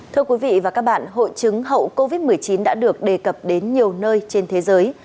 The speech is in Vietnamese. thưa quý vị và các bạn hội chứng hậu covid một mươi chín đã được đề cập đến nhiều nơi trên thế giới